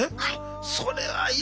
はい。